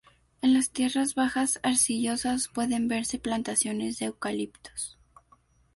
En las tierras bajas arcillosas pueden verse plantaciones de eucaliptos.